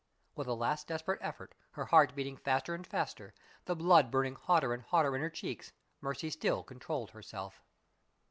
With a last desperate effort, her heart beating faster and faster, the blood burning hotter and hotter in her cheeks, Mercy still controlled herself.